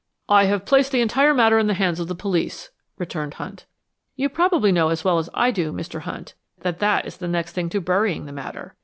"I have placed the entire matter in the hands of the police," returned Hunt. "You probably know, as well as I do, Mr. Hunt, that that is the next thing to burying the matter.